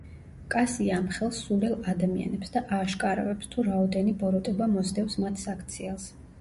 კასია ამხელს სულელ ადამიანებს და ააშკარავებს, თუ რაოდენი ბოროტება მოსდევს მათ საქციელს.